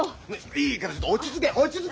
いいからちょっと落ち着け落ち着けって！